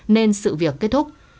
nên sự việc kết thúc